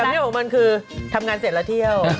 ทางนี้ผมว่ามันคือทำงานเสร็จแล้วเที่ยว